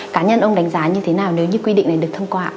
cá nhân ông đánh giá như thế nào nếu như quy định này được thông qua ạ